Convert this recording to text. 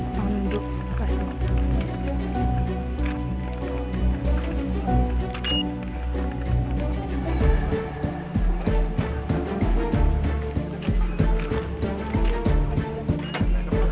terus ternyata ada korban yang